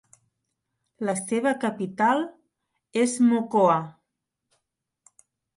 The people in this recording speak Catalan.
La seva capital és Mocoa.